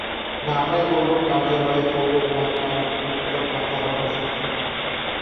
ধামরাই পৌর কার্য্যালয় পৌর এলাকার উত্তরপাতায় অবস্থিত।